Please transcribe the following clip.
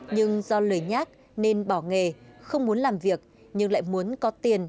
nhưng do lời nhắc nên bỏ nghề không muốn làm việc nhưng lại muốn có tiền